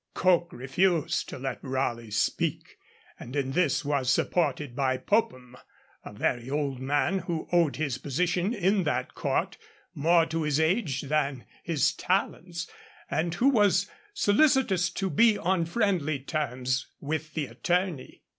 Coke refused to let Raleigh speak, and in this was supported by Popham, a very old man, who owed his position in that court more to his age than his talents, and who was solicitous to be on friendly terms with the Attorney.